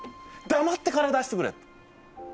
黙って金出してくれ。